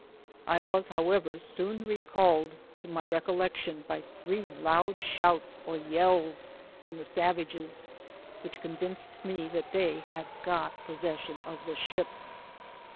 I was, however, soon recalled to my recollection by three loud sliouts or yells from the savages, which convinced me that they had got posession of the ship.